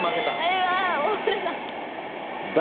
大村さん。